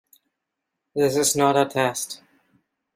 This Is Not a Test!